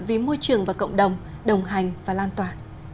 vì môi trường và cộng đồng đồng hành và lan tỏa